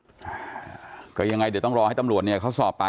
จนกระทั่งหลานชายที่ชื่อสิทธิชัยมั่นคงอายุ๒๙เนี่ยรู้ว่าแม่กลับบ้าน